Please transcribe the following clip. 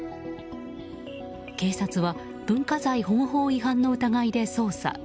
警察は文化財保護法違反の疑いで捜査。